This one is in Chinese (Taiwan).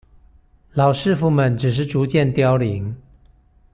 老師傅們只是逐漸凋零